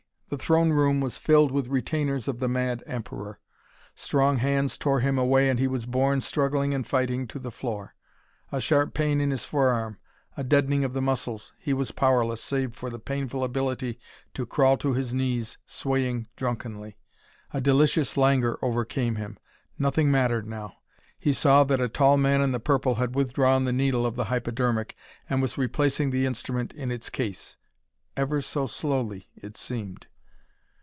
The throne room was filled with retainers of the mad emperor. Strong hands tore him away and he was borne, struggling and fighting, to the floor. A sharp pain in his forearm. A deadening of the muscles. He was powerless, save for the painful ability to crawl to his knees, swaying drunkenly. A delicious languor overcame him. Nothing mattered now. He saw that a tall man in the purple had withdrawn the needle of the hypodermic and was replacing the instrument in its case. Ever so slowly, it seemed.